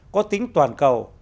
có tính toàn cầu